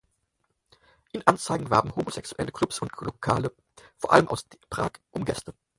In Anzeigen warben homosexuelle Klubs und Lokale vor allem aus Prag um Gäste.